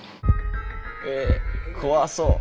えっ怖そう。